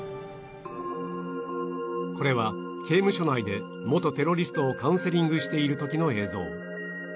これは刑務所内で元テロリストをカウンセリングしている時の映像